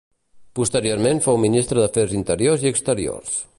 Posteriorment fou Ministre d'Afers Interiors i Exteriors.